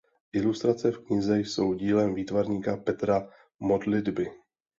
Ilustrace v knize jsou dílem výtvarníka Petra Modlitby.